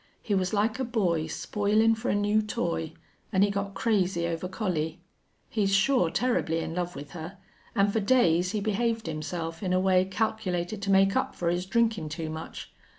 He was like a boy spoilin' for a new toy, an' he got crazy over Collie. He's sure terribly in love with her, an' for days he behaved himself in a way calculated to make up for his drinkin' too much.